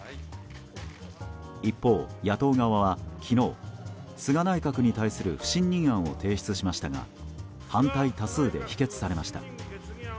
一方、野党側は昨日菅内閣に対する不信任案を提出しましたが反対多数で否決されました。